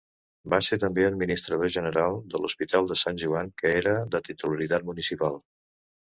Va ser també administrador general de l'Hospital de Sant Joan, que era de titularitat municipal.